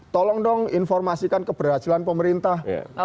tolong dong informasikan keberhasilan pemerintah